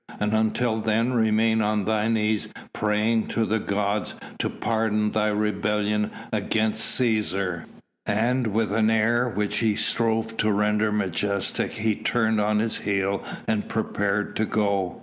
And until then remain on thy knees praying to the gods to pardon thy rebellion against Cæsar." And with an air which he strove to render majestic he turned on his heel and prepared to go.